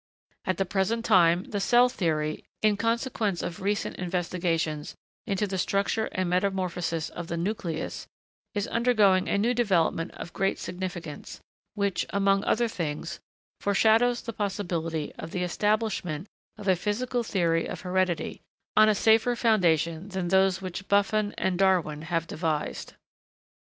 At the present time, the cell theory, in consequence of recent investigations into the structure and metamorphosis of the 'nucleus,' is undergoing a new development of great significance, which, among other things, foreshadows the possibility of the establishment of a physical theory of heredity, on a safer foundation than those which Buffon and Darwin have devised. [Sidenote: Spontaneous generation disproved.